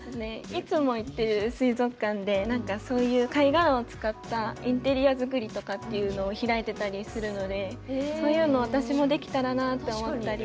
いつも行ってる水族館でそういう貝殻を使ったインテリア作りとかっていうのを開いていたりするのでそういうのを私もできたらなと思ったり。